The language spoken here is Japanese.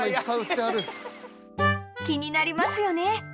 気になりますよね